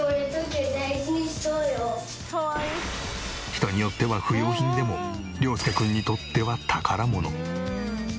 人によっては不要品でも涼介君にとっては宝物。